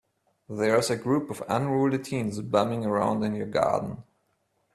There's a group of unruly teens bumming around in your garden.